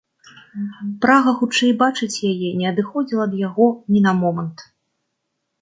Прага хутчэй бачыць яе не адыходзіла ад яго ні на момант.